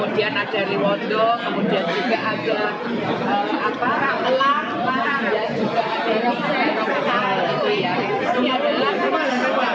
nanti akan kita lihat ada misalnya dari cina ya kemudian ada dari wondo kemudian juga ada elang dan juga dari nusa tenggara